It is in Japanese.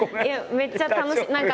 めっちゃ楽しい。